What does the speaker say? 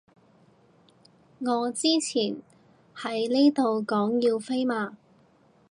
你之前喺呢度講要飛嘛